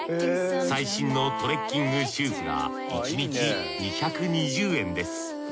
最新のトレッキングシューズが１日２２０円です。